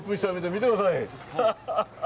見てください。